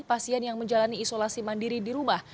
pasien yang menjalani isolasi mandiri di rumah